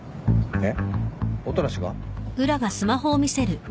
えっ？